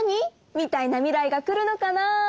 みたいな未来が来るのかな。